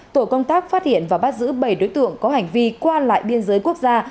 tổ công tác phát hiện và bắt giữ bảy đối tượng có hành vi qua lại biên giới quốc gia